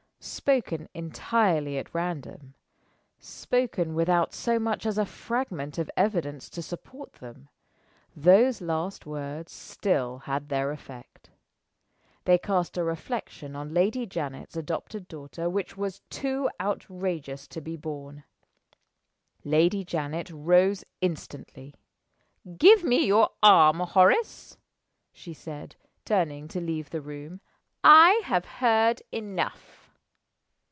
Spoken entirely at random, spoken without so much as a fragment of evidence to support them, those last words still had their effect. They cast a reflection on Lady Janet's adopted daughter which was too outrageous to be borne. Lady Janet rose instantly. "Give me your arm, Horace," she said, turning to leave the room. "I have heard enough."